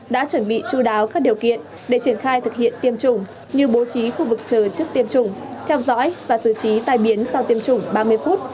đã chuẩn bị chú đáo các điều kiện để triển khai thực hiện tiêm chủng như bố trí khu vực chờ trước tiêm chủng theo dõi và xử trí tai biến sau tiêm chủng ba mươi phút